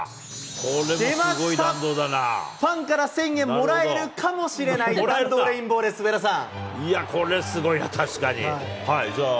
出ました、ファンから１０００円もらえるかもしれない弾道レインボーです、いや、これすごいな、確かに。